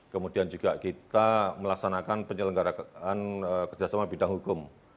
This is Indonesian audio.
kemudian juga kita melaksanakan penyelenggaraan kerjasama bidang hukum